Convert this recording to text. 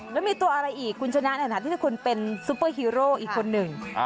แล้วมีตัวอะไรอีกคุณชนะนี่คุณเป็นซูเปอร์ฮีโรออีกคนนึง